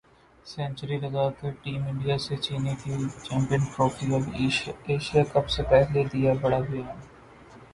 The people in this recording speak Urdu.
سنچری لگا کر ٹیم انڈیا سے چھینی تھی چمپئنز ٹرافی ، اب ایشیا کپ سے پہلے دیا بڑا بیان